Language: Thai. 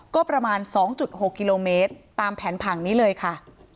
ก็ประมาณ๒๖กิโลเมตรตามแผนผังนี้เลยค่ะ